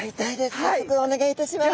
早速お願いいたします。